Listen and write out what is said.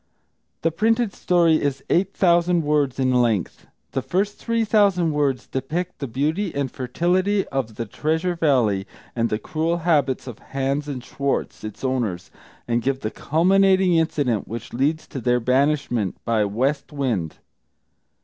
The printed story is eight thousand words in length. The first three thousand words depict the beauty and fertility of the Treasure Valley, and the cruel habits of Hans and Schwartz, its owners, and give the culminating incident which leads to their banishment by "West Wind."